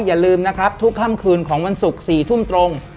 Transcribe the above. อย่าลืมนะครับทุกค่ำคืนของวันศุกร์๔ทุ่มตรง